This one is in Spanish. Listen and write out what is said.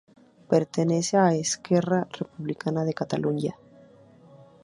Pertenece a Esquerra Republicana de Catalunya.